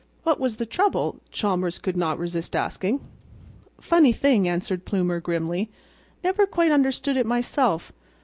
"What was the trouble?" Chalmers could not resist asking. "Funny thing," answered Plumer, grimly. "Never quite understood it myself.